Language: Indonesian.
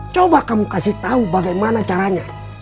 coba kamu kasih tahu bagaimana caranya